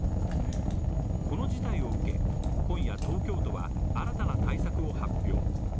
この事態を受け、今夜、東京都は新たな対策を発表。